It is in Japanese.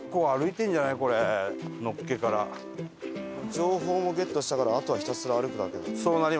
情報もゲットしたからあとはひたすら歩くだけ。